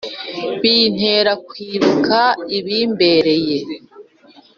bintera kwibuka ibimbereye